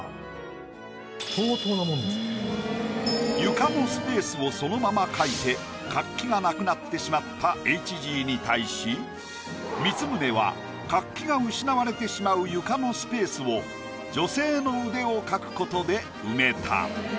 床のスペースをそのまま描いて活気がなくなってしまったＨＧに対し光宗は活気が失われてしまう床のスペースを女性の腕を描くことで埋めた。